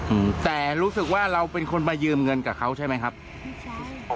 อืมแต่รู้สึกว่าเราเป็นคนมายืมเงินกับเขาใช่ไหมครับอ๋อ